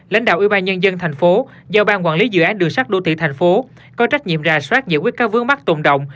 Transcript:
lãnh đạo ubnd tp do ban quản lý dự án đường sát đô thị tp có trách nhiệm ra soát giải quyết các vướng mắt tồn động